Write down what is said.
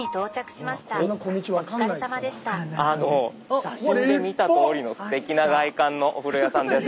写真で見たとおりのすてきな外観のお風呂屋さんです。